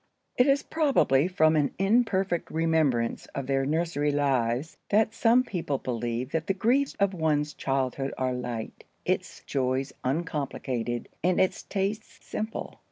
It is probably from an imperfect remembrance of their nursery lives that some people believe that the griefs of one's childhood are light, its joys uncomplicated, and its tastes simple.